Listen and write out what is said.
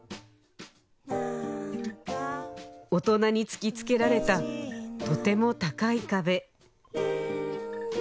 大人に突きつけられたとても高い壁